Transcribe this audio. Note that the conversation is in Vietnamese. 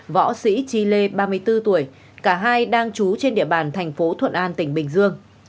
võ sĩ chi lê ba mươi bốn tuổi cả hai đang trú trên địa bàn thành phố thuận an tỉnh bình dương